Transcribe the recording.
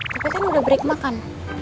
bapak kan udah break makan